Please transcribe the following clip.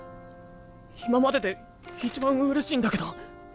今まででいちばんうれしいんだけど。